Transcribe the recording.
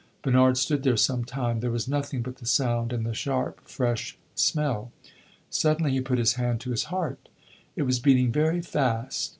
Bernard stood there some time; there was nothing but the sound and the sharp, fresh smell. Suddenly he put his hand to his heart; it was beating very fast.